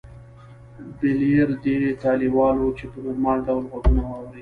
بلییر دې ته لېوال و چې په نورمال ډول غږونه واوري